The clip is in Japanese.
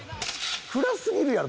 暗すぎるやろ！